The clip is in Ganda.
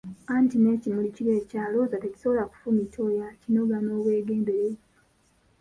Anti n'ekimuli kiri ekya Looza tekisobola kufumita oyo akinoga n'obwegendereza!